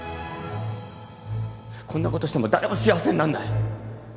こんなことしても誰も幸せになんない。